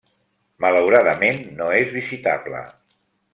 Malauradament, no és visitable.